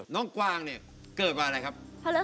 น่องกวางเนี่ยเกิดวันอะไรครับ